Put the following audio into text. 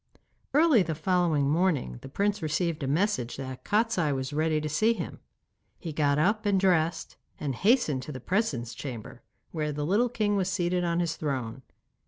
Early the following morning the prince received a message that Kostiei was ready to see him. He got up and dressed, and hastened to the presence chamber, where the little king was seated on his throne.